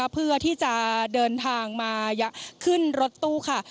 เพื่อที่จะเดินทางมาขึ้นรถตู้ค่ะ